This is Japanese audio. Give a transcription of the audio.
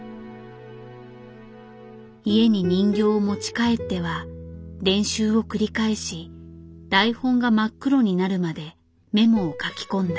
家に人形を持ち帰っては練習を繰り返し台本が真っ黒になるまでメモを書き込んだ。